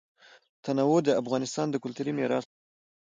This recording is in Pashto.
تنوع د افغانستان د کلتوري میراث برخه ده.